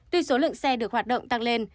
tuy số lượng xe được hoạt động tăng lên